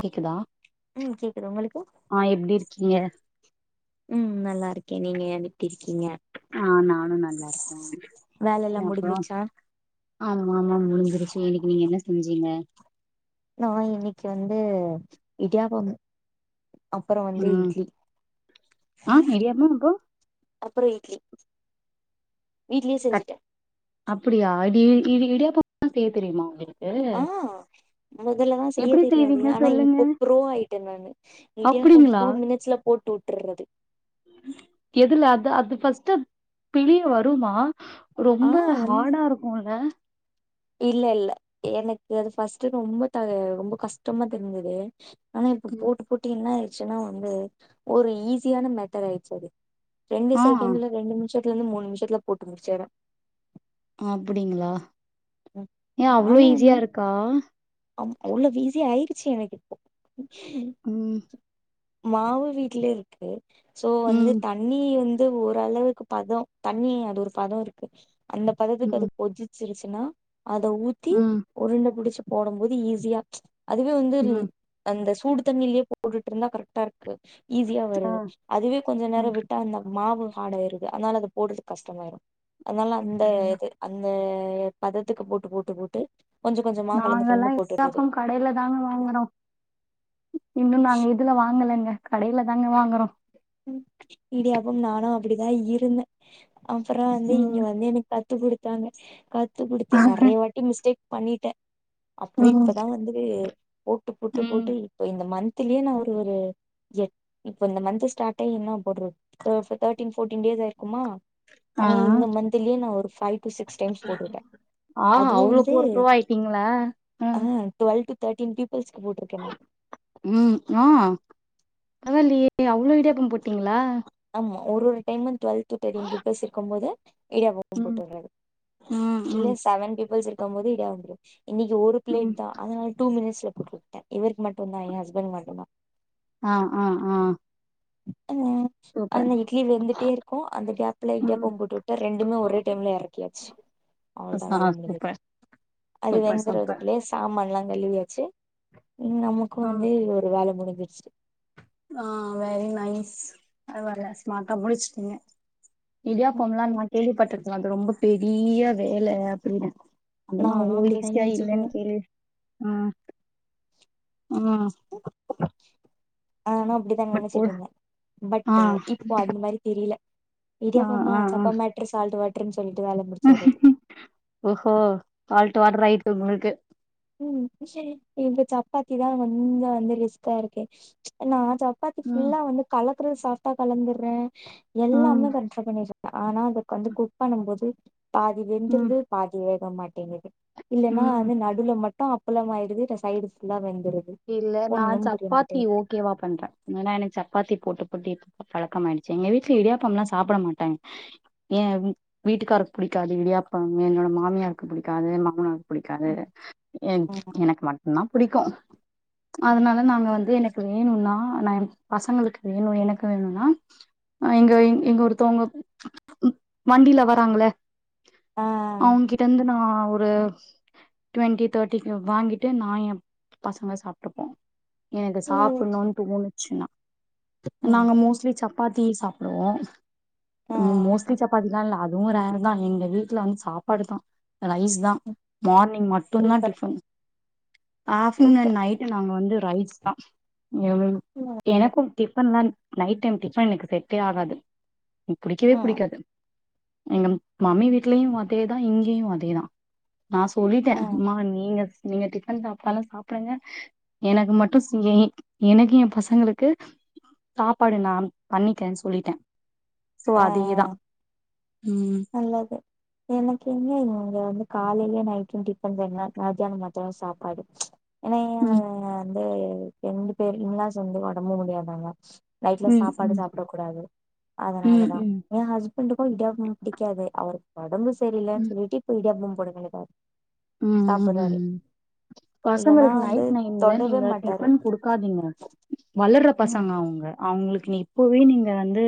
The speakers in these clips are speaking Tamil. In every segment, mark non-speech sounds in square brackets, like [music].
கேக்குதா., ம் கேக்குது உங்களுக்கு ஆ எப்பிடி இருக்கீங்க ம் நல்லா இருக்கே நீங்க எப்பிடி இருக்கீங்க ஆ நானு நல்லா வேல எல்லா இருக்கே அப்புறோ முடிஞ்சிருச்சா ஆதுமாமா முழுதிரச்சி இன்னிக்கு நீங்க என்ன ஞ்சிங்க நா இன்னைக்கு வந்து இடியாப்பம் அப்புறோ வந்து ம் இட்லி ஆ இடியாப்போ அப்றோ அப்புறோ இட்லி வீட்லியே செஞ்சிட்டே அப்பிடியா இடி இடி இடியாப்பம் செய்ய தெரியுமா உங்களுக் ஆஹ் முதலதான் செய்ய எப்டி தெரியாது செய்வீங்க ஆனா சொல்லுங்க இப்ப ப்ரோ ஆயிட்டேன் நானு, இடியாப்பம் அப்டிங்களா டூ மினிட்ஸ்ல போட்டு றது எதுல அது அது பர்ஸ்ட்டு பிழிய வருமா ஆ ரொம்ப வந் ஹாடா இருக்குன்ல் இல்ல இல்ல எனக்கு அது பஃர்ஸ்ட்டு ரொம்ப த ரொம்ப கஷ்டமா தெரிஞ்சது ஆனா இப்ப பூட்டு பூட்டி என்ன ஆக்சுவல்லா வந்து ஒரு ஈஸியான மேட்டர் ஆயிருச்சு அது ரெண்டு ஆ செகண்டல ரெண்டு நிமி நிமிஷத்துல இருந்து மூணு நிமிஷத்துல போட்டு முடிச்சறேன் அப்படிங்களா ஏன் அவ்ளோ ஈஸியா இருக்கா ஆ அவ்வளவு ஈஸியா ஆயிடுச்சு எனக்கு இப்போ உம் மாவு வீட்டு்லே யிருக்கு சோ வந்து ம் தண்ணி வந்து அது ஓரளவுக்கு பதம் தண்ணி அது ஒரு பதம் இருக்கு அந்த பதத்துக்கு அது ம் கொதிச் சிருச்சனா அத ஊத்தி ம் உருண்ட புடிச்சி போடும்போது ஈஸியா அதுவே வந்து ம் அந்த சூடு தண்ணியிலயே போட்டுடிருந்தா கரெக்டாக இருக்கு. ஈஸியா ஆ வருது அதுவே கொஞ்ச ஆ நேரம் விட்டா அந்த மாவு ஹாரட ஆயிருது அதனால அதது போடுறதுக்கு கஷ்டமாயிரும் அதனால அந்த அப்டிங்களா இது அந்த செரி பதத்துக்கு போட்டு போட்டு போட்டு கொஞ்சமா கலந்து கலந்து நாங்கல்லாம் போட்டுறது இடியாப்பம் கடையில தாங்க வாங்கறோம் இன்னும் நாங்க இதுல வாங்கலங்க கடையில தாங்க வாங்குறோம் அப்படிதான் இருந்தேன் அப்புறம் வந்து இங்க ம் வந்து எனக்கு கத்து குடுத்தாங்க கத் கத்து குடுத்து நறைய வாட்டி மிஸ்டேக் பண்ணிட்ட அப்புறோ ம் இப்பதா வந்துது போட்டு போட்டு ம் போட்டு இப்ப இந்த மந்த் துலியே நா ஒரு ஒரு எ இப்ப இந்த மந்த்து ஸ்டார்ட் டைம்மா போர்றது புரூஃப்பு தோட்டின் போர்ட்டின் டேஸ் ஆயிருக்குமா ஆ ஆனா இந்த மந்துலியே நா ஒரு பைவ் டூ சிக்ஸ் டைம்ஸ் போட்ருக்க ஆ அதுவும் அவ்ளோ வந்து ஒரு ப்ரோ ஆயிட்டீங்களா அ ம் டுவெல் டூ தோட்டின் பீப் ம் ஆ பரவால்லையே ஏ அவ்ளோ இடியாப்பம் போட்டீங்களா ஆமா ஒரு ஒரு டைம்மு டுவெல்த் தேட்டின் பீப்புல்ஸ் இருக்கும் போது இடியாப்பம் ம் போட்டுற இரு ம் இல்ல ம் செவன் பீப்புள்ஸ் இருக் இருக்கும் போது இதா வந்துரு இன்னிக்கு ஒரு ம் பிளேட் தா அதனால டூ மினிட்ஸ் [inaudible] இவருக்கு மட்டுந்தா எ ஹஸ்பண்ட் மட்டுந்தா ஆ ஆ ஆ ம் சூப்பர் அந்த இட்லி வெந்துட்டே இருக்கு அந்த கேப்புல ம் இடியாப்பம் போட்டுட்டு ரெண்டுமே ஒரே டைம்ல எறக்கியாச்சு ஆ அவ்ளதா வேல முடிஞ்சுருச் சூப்பர் அது சூப்பர் சூப்பர் வேகுறதுக்குள்ளயே சாமான் எல்லா கழுவியாச்சு நமக்கு ஆ வந்து ஒரு வேல முடிஞ்ச் வெச்சுரு ஆ வெரி நைஸ் அது வர்ல ஸ்மாட்டா முடுச்சுட்டீங்க இடியாப்பம் எல்லா நா கேள்விப்பட்ருக் அது ரொம்ப பெரிய வேல அப்டினு அதுனா நானு அவ்ளோ அப்டித்தா ஈசியா நெனச்சிட்ருந்தே இல்லன் தெரியுது ஆ ம் நானு அப்டிதா நெனச்சுட்டு இருந்த ஆ பட்டு இப்போ அந்த மாரி தெரில ஆ இடியாப்பமா ஆ ஆ சப்ப மேட்ரு சால்ட்டு வாட்ரு ஓஹோ ப தொடர் ஆயட்டு உங்களுக்கு உம் இப்ப சப்பாதி தா கொஞ்ச வந்து ரிஸ்கா இருக்க நா சப்பாத்தி ம் ஃபுலா வந்து கல அது சாப்டா கலந்துரே ம் எல்லாமே கண்ரோல் பண்ணிரு ஆனா அதுக்கு வந்து குக் பண்ணும் போது பாதி ம் வெந்துறுது பாதி வேக போ மாட்டேங்கிது இல்லேனா ம் வந்து நடுல மட் விட்டா அப்பலம் ஆயிடுது இல்ல சைடு ஃபுல்லா வெந் இல்ல நா சப்பாதி ஓகேவா பண்றே ஏன்னா எனக்கு சப்பாத்தி போடு ட்டி பழக்கமாயிடுச்சு எங்க வீட்ல இடியாப்பம் லா சாப்ட மாடாங்க ஏ வீட்டுகாருக்கு புடிக்காது இடியாப்பம் என்னோட மாமியாருக்கு புடிக்காது மாமனாரு புடிக்காது ம். எனக்கு மட்டுதா புடிக்கு அதனால நாங்க வந்து எனக்கு வேணுனா ந என் பசங்களுக்கு எனக்கு வேணுனா இங்க-இங்க ஒருத்தவுங்க வண்டில வராங்கள ஆ அவுங்கிட்ட இருந்து நா ஓ டுவெண்டி தேர்டிக்கு வாங்கிட்டு நா எ பசங்க சாப்பிட்டே எனக்கு இல்ல இல்ல. சாப்டணுன்னு தோணுது ச்சுனா ம் நாங்க மோஸ்லி சப் சப்பாத்தி சாப்டுவோ ஆ உம் மோஸ்லி சப்பாதிலா இல்ல இவரால தா எங்க வீட்ல வந்து சாப்பாடு தா ரைஸ் தா மார்னிங் மட்டு்தா super tiffin afternoon super and night அங்க வந்து ரைஸ் தா எனகு ம் எனக்கு டிபன்லா நைட் டைம் டிபன் எனக்கு செட்டே ஆகாது புடிக்கவே ம் புடிக்காது எங்க உம் மம்மி வீட்லயு அதேதா இங்கேயு அதேதா நா சொல்லிட்டே ஆ ம்மா நீங்க நீங்க டிஃபன் சாப்டாலும் சாப்டுங்க எனக்கு மட்டும் சுழி எனக்கு என் பசங்களுக்கு சாப்பாடு நான் பண்ணிடேனு சொல்லிட்டேன் சோ ஆ அதேதான் உம் நல்லது எனக்கு இங்க இங்க வந்து காலையிலயே நைட்டும் டிஃபன்னுங்க மத்தியானம் மட்டும் சாப்பாடு ஹ்ம்ம் ஆஹ் ரெண்டு பேரு இன்லாஸ்ம் வந்து ஒடம்பு முடியாதவங்க நைட்ல ம் சாப்பாடு ம் சாப்ட கூடாது அதனால ம் தா ம் ஏ ஹஸ்பண்டக்கும் இடியாப்போம் அவருக்கு ஒடம்பு தெரியிலனு ம் சொல்லீட்டு போயி பொண்ணுங்களுக்கும் ம் சாப்பர்றாரு ம் பசங்களுக்கு நைட் டைம்ல மாட்டாரு டிபன் கொடுக்காதிங்க வளர்ர ம் பசங்க அவங்களுக்கு நீ இப்பவே நீங்க வந்து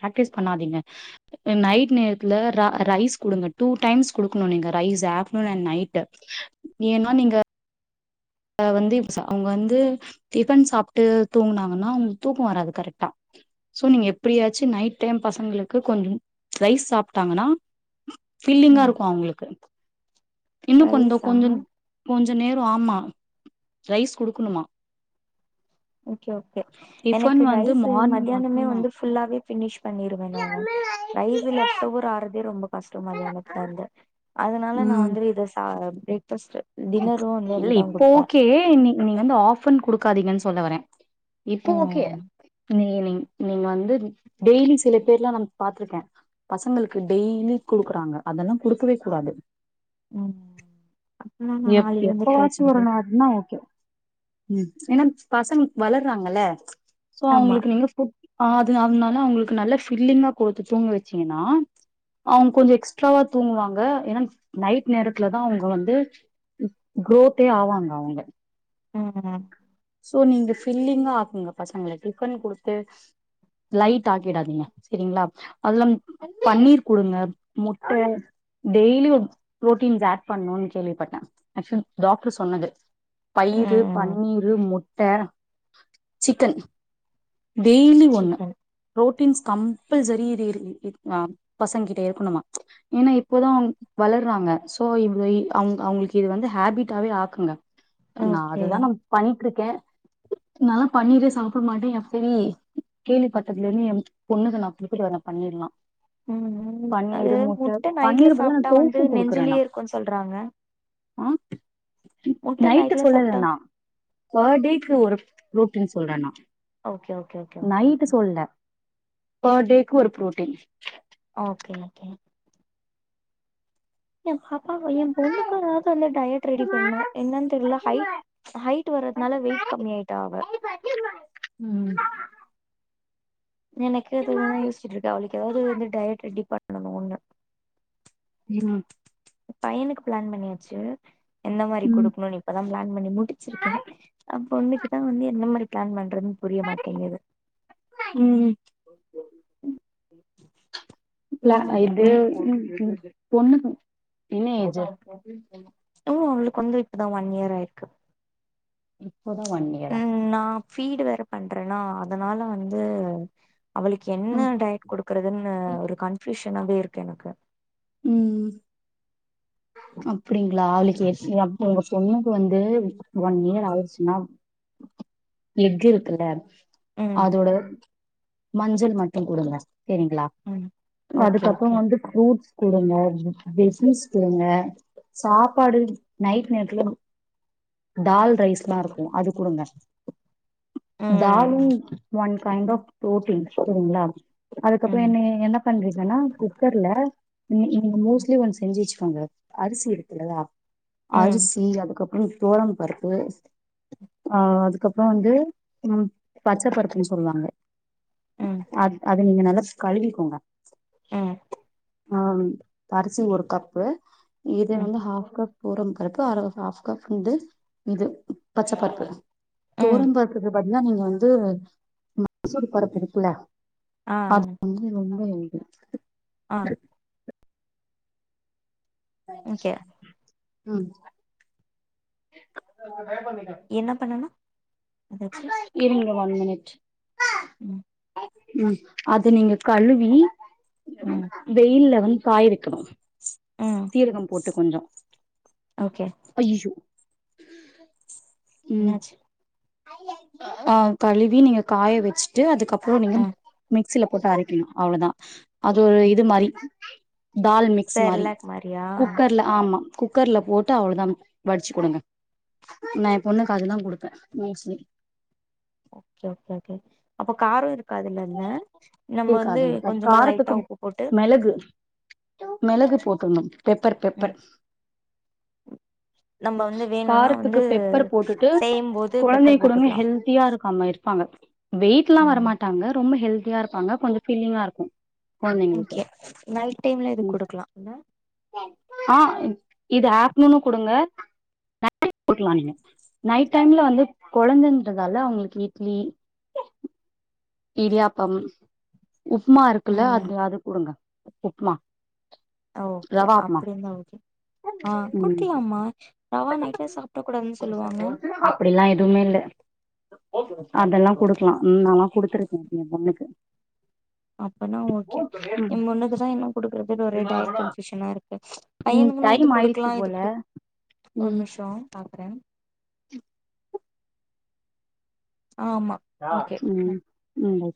பிராக்டிஸ் பண்ணாதீங்க நைட் நேரத்துல ரைஸ் கொடுங்க டூ டைம்ஸ் குடுக்கணும் நீ ரைஸ் ஆப்டர்ூன் அண்ட் நைட ஏன்னா நீங்க ஆ வந்து அவங்க வந்து டிஃபன் சாப்ட்டு தூங்குனாங்கனா தூக்கோம் வராது கரெக்டா சோ நீங்க எப்படியாச்சு நைட் டைம் பசங்களுக்கு கொஞ்சம் ரைஸ் சாப்டங்கன்னா ஃபீலீங்கா ம் இருக்கும் அவங்களுக்கு இன்னும் கொஞ்சம் ரைஸா கொஞ்சோம் கொஞ்ச நேரம் ஆமா ரைஸ் குடுக்கணுமா ஓகே ஓகே எனக்கு டிஃபன் வந்து ரைஸ்ஸு மார்னிங் மதியானமே மட்டுந்தா வந்து ஃபுல்லாவே ஃபினிஷ் பன்னிருவே நானு ரைஸ்ஸு லெஃபட் ஓவர் ஆனதே ரொம்ப பர்ஸ்ட் மலையாளத்துல இருந்து அதுனால நான் ம் வந்து இத சா ப்ரேக் ஃபர்ஸ்ட்டு இல்ல இப்போ ஓகே நீ நீங்க வந்து ஆஃபன் குடுக்காதீங்கன்னு சொல்லவரேன் இப்போ ஓகே ம் நீ நீ நீங்க வந்து டெய்லி சில பேர்லாம் வந்து பாத்ருக்கேன் பசங்களுக்கு டெய்லியும் கொடுக்குறாங்க அதெல்லாம் கொடுக்கவே கூடாது ம் அப்பனா நா எப் நாளைல எப்ப இருந்து ட்ரை வாச்சு ஒரு பண்றே நாள்னா ஓகே உம் ஏன்னா பசங்க வளர்றாங்கல சோ ஆமா அவங்களுக்கு நீங்க ஃபுட் ஆ அது அதனால அவங்களுக்கு நல்ல ஃபில்லிங்கா கோத்து தூங்க வச்சீங்கன்னா அவங் கொஞ்சோ எக்ஸ்ட்ராவா தூங்குவாங்க ஏன்னா நைட் நேரத்துலதா அவங்க வந்து குரோத்தே ஆவாங்க அவங்க ம் ம் பில்லிங்கா ஆக்குங்க பசங்கள டிபன் கொடுத்து ட் லைட் ஆக்கிடாதீங்க சேரிங்களா அதெல்லா பன்னீர் குடுங்க முட்ட டெய்லி ப்ரோட்டின்ஸ் ஆட் பண்ணுன் கேள்விபட்டே அக்சன் டாக்டர் சொன்னது. பயிரு ம் முறு முட்டை சிக்கன் டெய்லி ஒண்ணு சிக்கன் புரோட்டீன்ஸ் கம்பல்சரி இது ஆ பசங்க கிட்ட இருக்கணுமா ஏன்னா இப்போதா வளர்றாங்க சோ இ அவங்க அவங்களுக்கு இது வந்து ஹேபிட்டாவே ஆக்குங்க ஓகே இதுதா நம் பணி ட்ருக்கே நல்லா பன்னீரு சாப்பிடமாட்டே என் சரி கேள்வி பட்டத்துல இரு என் பொண்ணுத நா குப்பிட்டு ந பண்ணிரலா ம் ம் அது முட்டை நைட்ல பன்னீர் பதிலா நா சாப்ட்டா வந்து டோஃபு குடுக்குறே நா நெஞ்சிலியே இருக்குன்னு சொல்றாங்க ஆ முட்ட நைட்ல சாப்ட்டா ஃபாட்டிக்கு ஒரு ரொட்டீன் சொல்றே நா ஓகே ஓகே ஓகே கேகே பா டேக்கு ஒரு புரோட்டீன் ஓகே ஓகே என் பாப்பாவைய என் பொண்ணுக்கு ஏதாவது வந்த டயட் ரெடி பண்ணு என்னன்னு தெரில ஹை ஹைட்வர்றதுனால வெயிட் கம்மி ஆயிட்டா அவ ம் எனக்கு அதுதா யோசச்சிட்டு இருக்கே அவளுக்கு எதாவது வந்து டயட் ரெடிபன் நனு ஒண்ணு ம் பையனுக்கு பிளான் பண்ணியாச்சி என்ன மாரி ம் கொடுக்கணுன்னு இப்பதா பிளான் பண்ணி முடிச்சிருக்கே அப்போ இன்னைக்குதா வந்து என்ன மாரி க்லான்வண் ட்டரதுன்னு புரிய மாட்டேங்குது ஓ இல்ல உம் இது ம் பொண்ணு என்ன ஏஜ் இப்போ அவங்களுக்கு வந்து இப்பதா ஒன் இயர் ஆயிருக்கு ம் இப்போதா ஒன் இயரா ம் நா ஃபீடு வேற பண்றன்னா அதனால வந்து அவளுக்கு என்ன டயட் குடுக்குறதுன்னு ஒரு கன்பியூஷ் எநாவே இருக்கு எனக்கு ம் அப்டிங்களா அவளுக்கு உங்க பொண்ணுக்கு வந்து ஒன் இயர் ஆச்சுன்னா எக்கு இருக்குல ம் அதோட மஞ்சள் மட்டு குடுங்க சேரிங்களா ம் இல்ல ஓகே அதுக்கப்புறோ ஓகே வந்து புரூட்ஸ் குடுங்க பிஷ்னஸ் குடுங்க சாப்பாடு நைட் நேரத்துல டால் ரைஸ் எல்லா இருக்கு அது குடுங்க தாலு ம் ஒன் கைண்ட் ஆஃப் புரோட்டீன் சேரிங்களா அதுக்கப்புறோ ம் என்னயே என்னப் பண்றீக்கன்னா குக்கர்ல நீங்க மோஸ்ட்லி ஒன்ஸ் செஞ்சு வெச்சுக்கோங்க அரிசி எடுக்கலயா ம் அரிசி அதுக்கப் ம் தொவரம் பருப்பு ஆ அதுக்கப்புறோ வந்து ம் பச்ச பருப்புன்னு சொல்லுவாங்க ம் அது அது நீங்க நல்லா கழுவிக்கோங்க ம் ஆ அரிசி ஒரு கப்பு இது ம் வந்து ஹாஃப் கப் தொவரம் பருப்பு அர ஹாஃப் கப்பு வந்து இது பச்ச பருப்பு ம் தொவரம் பருப்புக்கு பதிலா நீங்க வந்து மைசூர் பருப்பு இருக்குல ஆ அது வேண்னா [unintelligible] ம் ஆ ஓகே ஹ ம் என்ன பண்ணனு எதாச்சு இருங் ஒன் மினிட் ம் ம் அது நீங்க கழுவி ம் வெயில வந்து காய வக்கணும் ம் சீரகம் போட்டு கொஞ்சோம் ஓகே ஐயையோ [inaudible] என்னாச்சி ஆ கழுவி நீங்க காய வச்சிட்டு அதுக்கப் புறோ நீங்க ஆ மிக்சில போட்டு அரைக்கணும் அவ்ளோதா அது ஒரு ம் இது மாரி தால் மிக்ஸ் மாரி செர்லாக் மாரியா குக்கர்ல ஆ ஆமா குக்கர்ல போட்டு அவ்ளோதான் வடிச்சி குடுங்க நான் என் பொண்ணுக்கு அதுதான் குடுப்பன் மோஸ்ட்லி ஓகே ஓகே ஓகே அப்ப காரம் இருக்காது இல்ல அதுல நம்ம வந்து இருக்காது இருக்காது கொஞ்சமா லைட்டா காரத்துக்கு உப்பு போட்டு மெளகு மெளகு போட்றணும் பெப்பர் ம் பெப்பர் நம்ம வந்து வேணுனா காரத்துக்கு வந்து பெப்பர் போட்டுட்டு செய்யும் போது பெப்பர் குழந்தைக்கு குடுங்க போட்டுக்கலா ஹெல்த்தியா இருக்காம இருப்பாங்க வெயிட் லாம் ம் வரமாட் ரொம்ப ஹெல்தியா இருப்பாங்க கொஞ்சம் பீலிங்கா இருக்கும் கொழந்தைங்களுக்கு ஓகே நைட் டைம்ல இது ம் குடுக்கலா இல்ல ஆ இது ஆப் இன்னொன்னும் குடுங்க நைட் டைம்ல கொடுக்கலாம் நீங்க நைட் டைம்ல வந்து கொழந்தன்றதால அவுங்களுக்கு இட்லி இடியாப்பம் உப்புமா இருக்கு இல்ல ம் அது அத குடுங்க உப் உப்மா ஓகே ரவா உப்மா அப்டி இந்தா ஓகே ஆ ம் குட்டி அம்மா ரவா நைட்ல சாப்பட கூடாதுன்னு சொல்லுவாங்க அதெல்லாம் குடுக்கலாம் ம் நாலா குடுத்துருக்கேன் இப்ப என் பொண்ணுக்கு அப்பனா ஓகே என் பொண்ணுக்குதான் இன்னும் குடுக்கறதுல ஒரே டயட் கன்பியூனா இருக் ம் பையனுக்குன்னா இது டைம் குடுக்கலா ஆயிடுச்சு இது போல குடுக் ஒரு ம் நிம்ஷோ பாக் வர ஓகே ம் ம்